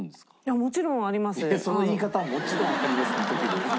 「もちろんあります」の時の。